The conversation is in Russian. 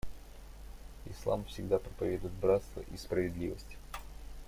Ислам всегда проповедует братство и справедливость.